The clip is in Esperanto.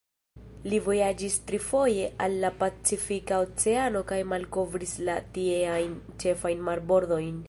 Li vojaĝis trifoje al la Pacifika Oceano kaj malkovris la tieajn ĉefajn marbordojn.